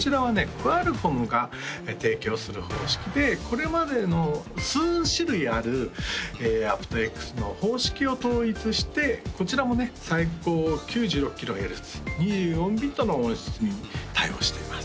Ｑｕａｌｃｏｍｍが提供する方式でこれまでの数種類あるａｐｔＸの方式を統一してこちらもね最高９６ｋＨｚ２４ｂｉｔの音質に対応しています